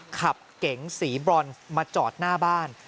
เก๋งสีบรอนมาจอดหน้าบ้าน